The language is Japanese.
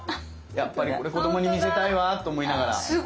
やっぱりこれ子供に見せたいわと思いながら。